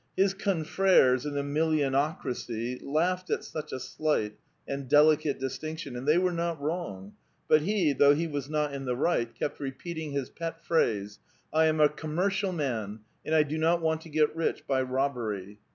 His confreres in the millionocracy laughed at such a slight and delicate distinction, and the^' were not wrong ; but he, though he was not in the right, kept repeating his pet phrase, "I am a commercial man, and I do not want to get rich by robbery."